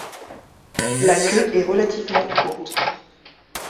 La queue est relativement courte.